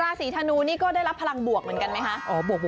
ราศีธนูนี่ก็ได้รับพลังบวกเหมือนกันไหมคะ